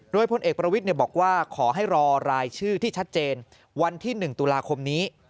โดยพลเอกประวิทย์บอกว่าขอให้รอรายชื่อที่ชัดเจนวันที่๑ตุลาคมนี้